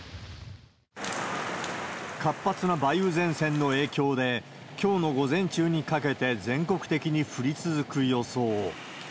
活発な梅雨前線の影響で、きょうの午前中にかけて全国的に降り続く予想。